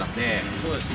そうですね。